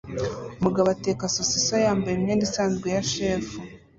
Umugabo ateka sosiso yambaye imyenda isanzwe ya chef